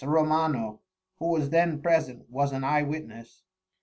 Romano_, who was then present was an Eye Witness.